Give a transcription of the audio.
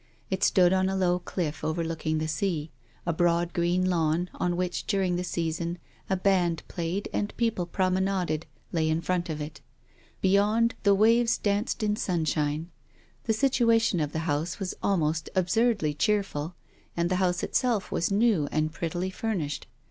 It stood on a low cliff overlooking the sea; a broad green lawn, on which during the season a band played and people promenaded, lay in front of it. Beyond, the waves danced in the sunshine. The situation of the house was almost absurdly cheer ful, and the house itself was new and prettily furnished.